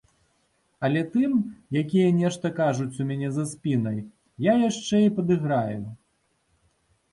Але тым, якія нешта кажуць у мяне за спінай, я яшчэ і падыграю.